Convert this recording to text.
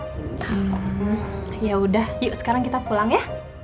hmm yaudah yuk sekarang kita pulang ya